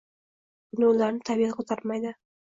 — buni ularning tabiati ko‘tarmaydi.